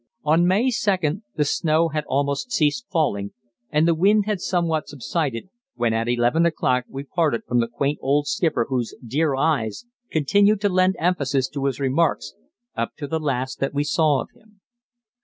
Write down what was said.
On May 2d the snow had almost ceased falling and the wind had somewhat subsided, when at eleven o'clock we parted from the quaint old skipper whose "Dear eyes!" continued to lend emphasis to his remarks up to the last that we saw of him.